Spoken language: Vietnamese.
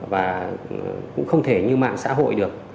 và cũng không thể như mạng xã hội được